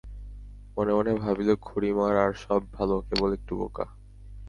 মনে মনে ভাবিল-খুড়িমার আর সব ভালো, কেবল একটু বোকা!